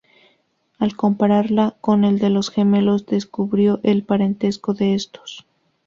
Al compararla con el de los gemelos, descubrió el parentesco de estos.